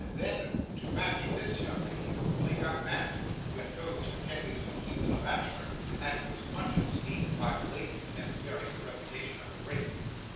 Then, to match this young lady, was a young man, who had known Mr. Kenwigs when he was a bachelor, and was much esteemed by the ladies, as bearing the reputation of a rake.